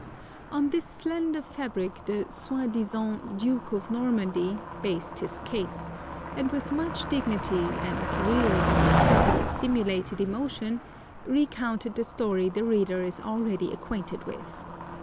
On this slender fabric the soi disant "Duke of Normandy" based his case, and with much dignity, and real or happily simulated emotion, recounted the story the reader is already acquainted with.